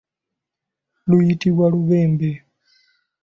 Luyitibwa lubembe.